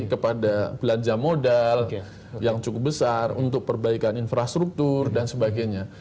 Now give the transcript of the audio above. kepada belanja modal yang cukup besar untuk perbaikan infrastruktur dan sebagainya